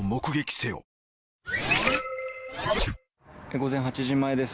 午前８時前です。